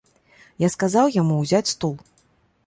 Я сказаў яму ўзяць стул.